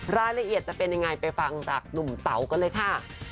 รายละเอียดจะเป็นยังไงไปฟังจากหนุ่มเต๋ากันเลยค่ะ